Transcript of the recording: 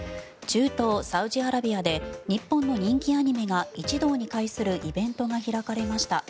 中東サウジアラビアで日本の人気アニメが一堂に会するイベントが開かれました。